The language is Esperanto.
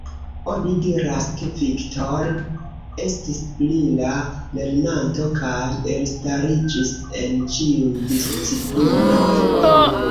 Oni diras ke, Viktor estis brila lernanto, kaj elstariĝis en ĉiuj disciplinoj.